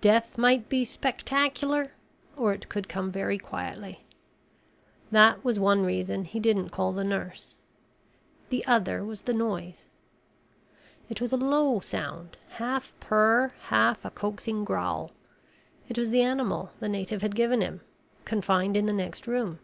Death might be spectacular or it could come very quietly. That was one reason he didn't call the nurse. The other was the noise. It was a low sound, half purr, half a coaxing growl. It was the animal the native had given him, confined in the next room.